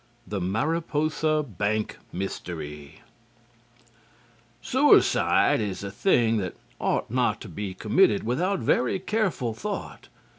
The Mariposa Bank Mystery Suicide is a thing that ought not to be committed without very careful thought.